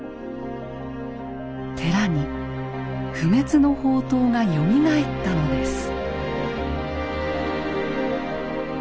寺に不滅の法灯がよみがえったのです。